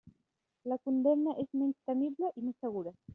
La condemna és menys temible i més segura.